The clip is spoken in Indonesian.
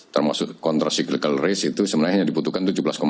termasuk kontrasik legal risk itu sebenarnya dibutuhkan tujuh belas lima